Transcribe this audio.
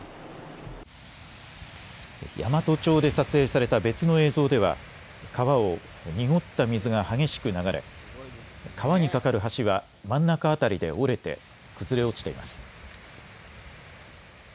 山都町で撮影された別の映像では川を濁った水が激しく流れ川に架かる橋は真ん中辺りで折れて、崩れ落ちています。